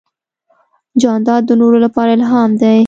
جانداد د نورو لپاره الهام دی.